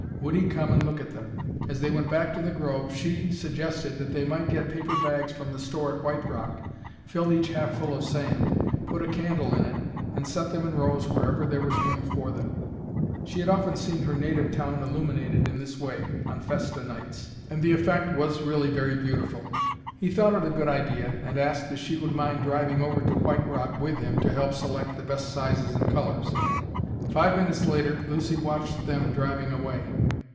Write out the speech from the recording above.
Would he come and look at them? As they went back to the grove she suggested that they might get paper bags from the store at White Rock, fill each half full of sand, put a candle in it, and set them in rows wherever there was room for them. She had often seen her native town illuminated in this way on festa nights, and the effect was really very beautiful. He thought it a good idea and asked if she would mind driving over to White Rock with him to help select the best sizes and colors. Five minutes later Lucy watched them driving away.